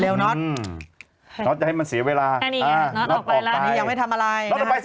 โหยวายโหยวายโหยวายโหยวายโหยวายโหยวายโหยวายโหยวาย